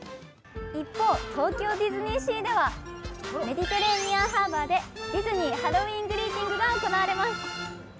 一方、東京ディズニーシーでは、メディテレーニアンハーバーでディズニー・ハロウィーン・グリーティングが行われます。